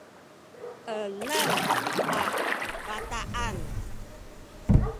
enem a bataan